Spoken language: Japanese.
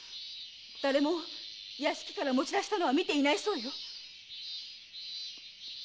誰も屋敷から持ち出したのは見ていないそうよ。